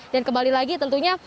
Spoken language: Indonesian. dan kembali lagi tentunya